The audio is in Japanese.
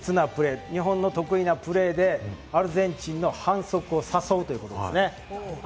カギは、堅実なプレー、日本の得意なプレーでアルゼンチンの反則を誘うということです。